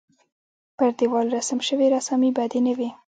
پر دېوال رسم شوې رسامۍ بدې نه وې.